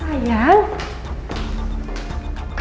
gue keduluan lagi sama nino